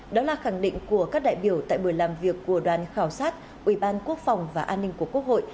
đó là khẳng định của các đại biểu tại buổi làm việc của đoàn khảo sát ubnd và an ninh của quốc hội